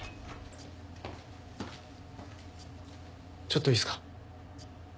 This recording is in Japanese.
ちょっといいっすか？